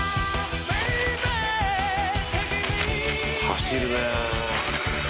走るね！